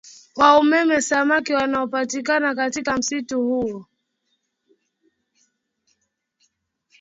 wa umeme Samaki wanaopatikana katika msitu huo